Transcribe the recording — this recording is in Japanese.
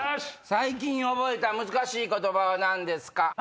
最近覚えた難しい言葉は何ですか？